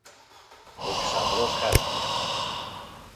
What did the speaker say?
Ο θησαυρός χάθηκε!